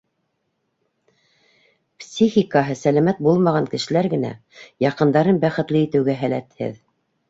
Психикаһы сәләмәт булмаған кешеләр генә яҡындарын бәхетле итеүгә һәләтһеҙ...